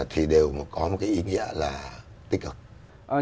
thì đều có một cái ý nghĩa là